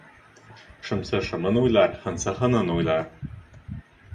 Шымсы шымын уйлар, һынсы һынын уйлар.